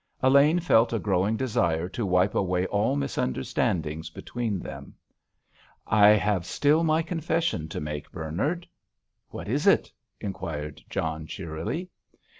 Elaine felt a growing desire to wipe away all misunderstandings between them. "I have still my confession to make, Bernard." "What is it?" inquired John cheerily.